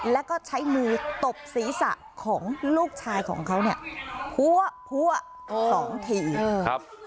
แล้วก็ใช้มือตบศีรษะของลูกชายของเขาเนี่ยพัวพัวสองทีเออครับ